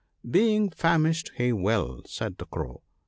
" Being famished he will," said the Crow.